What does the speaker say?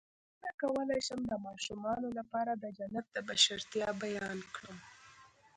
څنګه کولی شم د ماشومانو لپاره د جنت د بشپړتیا بیان کړم